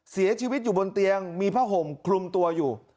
เสียชีวิตอยู่บนเตียงมีผ้าห่มคลุมตัวอยู่